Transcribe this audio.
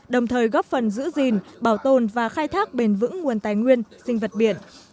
đồng thời góp phần giữ gìn bảo tồn và khai thác bền vững nguồn tài nguyên sinh vật biển